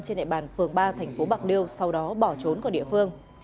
trên đại bàn phường ba thành phố bạc liêu sau đó bỏ trốn của địa phương